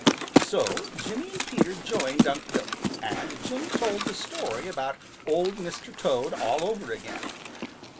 So Jimmy and Peter joined Unc' Billy, and Jimmy told the story about Old Mr. Toad all over again.